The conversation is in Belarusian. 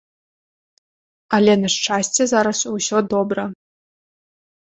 Але, на шчасце, зараз усё добра.